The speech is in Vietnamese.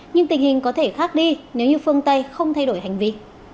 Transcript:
nhưng tình hình có thể khác đi nếu như phương tây không thay đổi hành vi